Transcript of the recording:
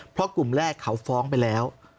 เพราะกลุ่มแรกเขาฟ้องไปแล้ว